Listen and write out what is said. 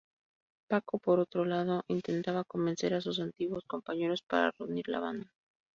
Paco, por otro lado, intentaba convencer a sus antiguos compañeros para reunir la banda.